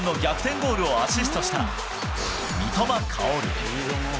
ゴールをアシストした三笘薫。